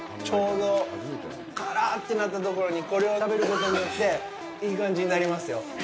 ちょうど辛っってなったときにこれを食べることによって、いい感じになりますよ。